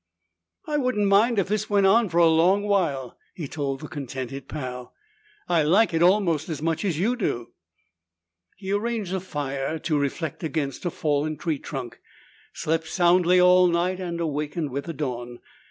"I wouldn't mind if this went on for a long while!" he told the contented Pal. "I like it almost as much as you do!" He arranged a fire to reflect against a fallen tree trunk, slept soundly all night, and awakened with dawn.